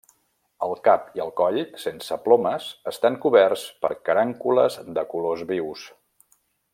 El cap i el coll, sense plomes, estan coberts per carúncules de colors vius.